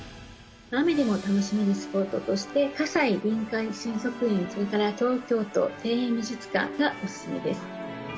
雨でも楽しめるスポットとして、葛西臨海水族園、それから東京都庭園美術館がお勧めです。